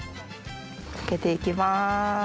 かけて行きます。